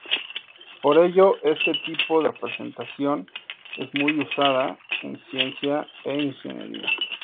Por ello, este tipo de representación es muy usada en ciencia e ingeniería.